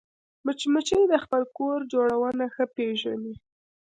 مچمچۍ د خپل کور جوړونه ښه پېژني